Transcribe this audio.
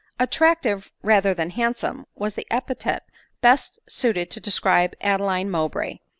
Attractive, rather than handsome, was the epithet best ■suited to describe Adeline Mowbray.